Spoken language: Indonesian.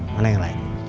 mana yang lain